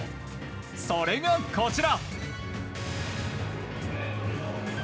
それが、こちら。